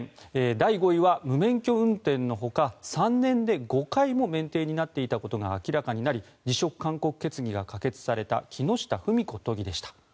第５位は無免許運転のほか３年で５回も免停になっていたことが明らかになり辞職勧告決議が可決された木下富美子都議でした。